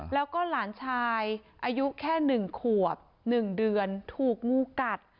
แล้วก็หลานชายอายุแค่๑ขวบ๑เดือนถูกงูกัด